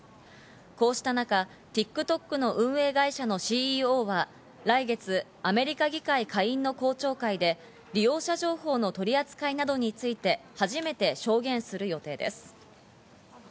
こうした中、ＴｉｋＴｏｋの運営会社のＣＥＯは来月、アメリカ議会下院の公聴会で利用者情報の取り扱いなどについて、初めて証言する予定です。